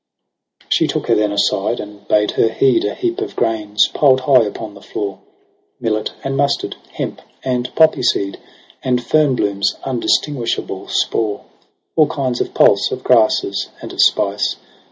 She took her then aside, and bade her heed ' A heap of grains piled high upon the floor. Millet and mustard, hemp and poppy seed. And fern bloom's undistinguishable spore. All kinds of pulse, of grasses, and of spice.